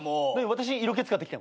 私に色気使ってきた？